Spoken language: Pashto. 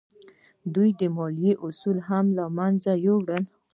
دوی د مالیې اصول هم له منځه یوړل.